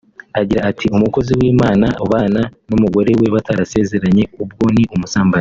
agira ati «Umukozi w’Imana ubana n’umugore we batarasezeranye ubwo ni ubusambanyi